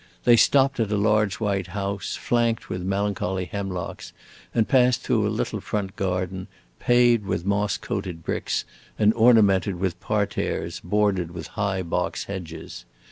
They stopped at a large white house, flanked with melancholy hemlocks, and passed through a little front garden, paved with moss coated bricks and ornamented with parterres bordered with high box hedges.